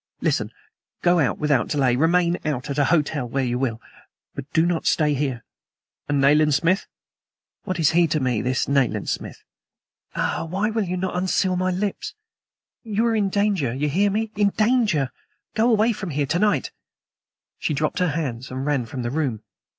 Listen. Go out without delay. Remain out at a hotel, where you will, but do not stay here." "And Nayland Smith?" "What is he to me, this Nayland Smith? Ah, why will you not unseal my lips? You are in danger you hear me, in danger! Go away from here to night." She dropped her hands and ran from the room.